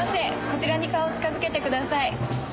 こちらに顔を近づけてください。